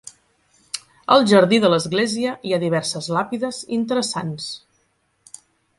Al jardí de l'església hi ha diverses làpides interessants.